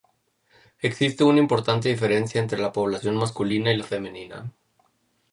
Existe una importante diferencia entre la población masculina y la femenina.